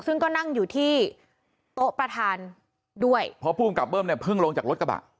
ซึ่งก็นั่งอยู่ที่โต๊ะประธานด้วยเพราะผู้กำกับเบิ้มเนี่ยเพิ่งลงจากรถกระบะ